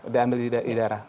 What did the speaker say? diambil di darah